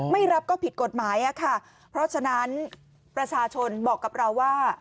ไม่รับก็ผิดกฎหมายอะค่ะเพราะฉะนั้นประชาชนบอกกับเราว่า